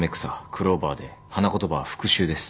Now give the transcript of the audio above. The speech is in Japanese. クローバーで花言葉は「復讐」です。